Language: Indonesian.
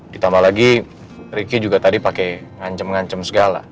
ditambah lagi ricky juga tadi pakai ngancem ngancem segala